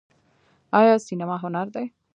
آیا سینما هنر دی؟